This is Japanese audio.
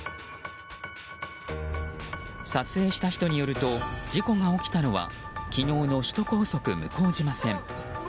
撮影した人によると事故が起きたのは昨日の首都高速向島線。